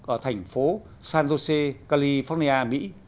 ở thành phố san jose california mỹ